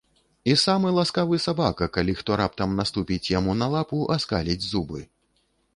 І самы ласкавы сабака, калі хто раптам наступіць яму на лапу, аскаліць зубы.